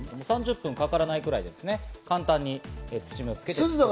３０分かからないくらいで簡単に槌目をつけました。